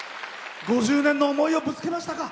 ５０年の思いをぶつけましたか。